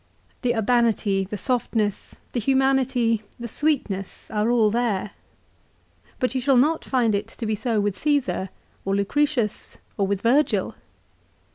The urbanity, the softness, the humanity, the sweetness are all there. But you shall not find it to be so with Caesar, or Lucretius, or with Virgil.